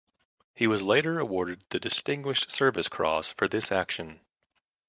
He was later awarded the Distinguished Service Cross for this action.